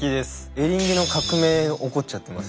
エリンギの革命起こっちゃってます